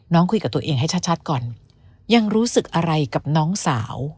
คุยกับตัวเองให้ชัดก่อนยังรู้สึกอะไรกับน้องสาว